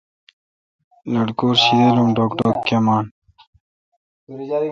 لٹکور شیدل اؘ ڈوگ دوگ کیمان۔